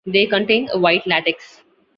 They contain a white latex.